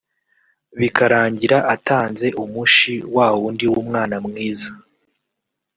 bikarangira atanze umushi wa wundi w’umwana mwiza